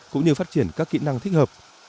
cũng như phát triển các kỹ năng thích hợp